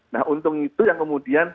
nah untung itu yang kemudian